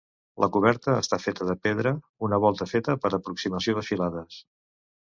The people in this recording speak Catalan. La coberta està feta de pedra, una volta feta per aproximació de filades.